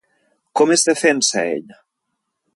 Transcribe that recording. Com es defensa, ell?